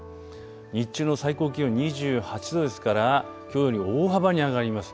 日中の最高気温２８度ですからきょうより大幅に上がります。